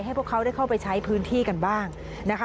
พวกเขาได้เข้าไปใช้พื้นที่กันบ้างนะคะ